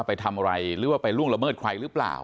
ไปทำอะไรหรือว่าไปล่วงละเมิดใครหรือเปล่า